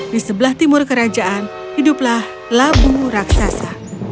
di sebelah timur kerajaan hiduplah labu raksasa